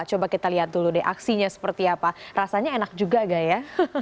coba kita lihat dulu deh aksinya seperti apa rasanya enak juga gak ya